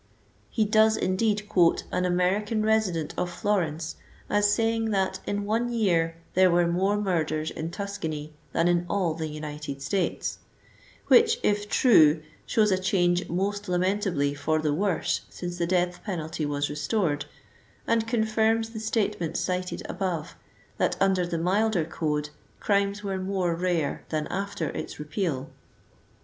He does indeed quote " an American resident of Flo rence" as saying that in one year there were more murders in Tuscany than in all the United States; which, if true, shows a change most lamentably for the worse since the death penalty was restored, and confirms the statement cited above, that under the milder code crimes were more rare than after its repeal.